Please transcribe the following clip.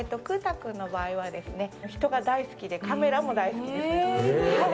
君の場合は人が大好きでカメラも大好きです。